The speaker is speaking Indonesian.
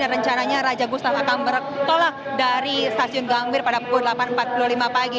dan rencananya raja gustaf akan bertolak dari stasiun gambit pada pukul delapan empat puluh lima pagi